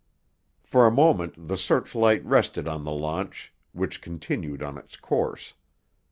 For a moment the searchlight rested on the launch, which continued on its course.